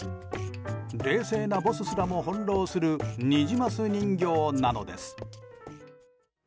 冷静なボスすらも翻弄するニジマス人形なのです。